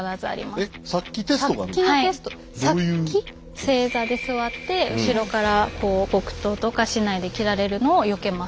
正座で座って後ろから木刀とか竹刀で斬られるのをよけます。